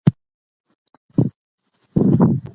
کمپيوټر د پروژو بشپړول منظم او ګړندي کوي.